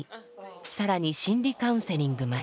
更に心理カウンセリングまで。